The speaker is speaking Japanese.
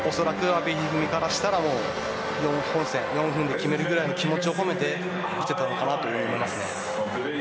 阿部一二三からしたら本戦４分で決めるくらいの気持ちを込めてきたのかなと思います。